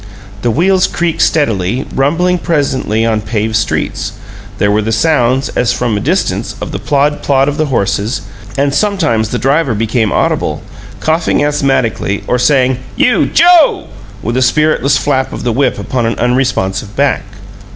The wheels creaked steadily, rumbling presently on paved streets; there were the sounds, as from a distance, of the plod plod of the horses; and sometimes the driver became audible, coughing asthmatically, or saying, "You, JOE!" with a spiritless flap of the whip upon an unresponsive back.